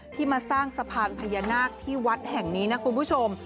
ที่มาสร้างสะพานพญานาคที่วัดแห่งนี้นะคุณผู้ชม